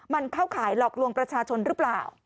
มันเข้าข่ายหลอกลวงประชาชนหรือเปล่า